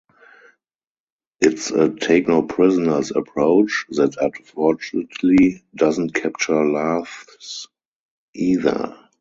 It's a take-no-prisoners approach that, unfortunately, doesn't capture laughs either.